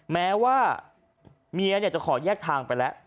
แม้ว่าเมียจะขอแยกทางไปแล้ว